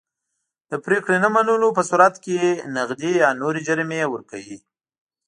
د پرېکړې نه منلو په صورت کې نغدي یا نورې جریمې ورکوي.